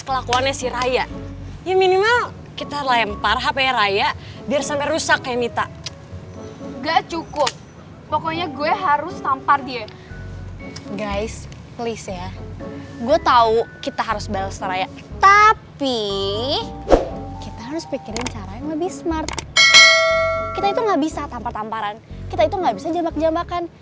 kayaknya sih sempet sih